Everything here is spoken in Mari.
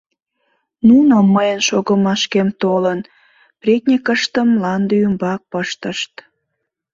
Нуно, мыйын шогымашкем толын, претньыкыштым мланде ӱмбак пыштышт.